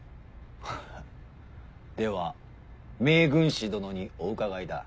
フッでは名軍師殿にお伺いだ。